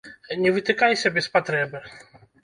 Не вытыкайся без патрэбы.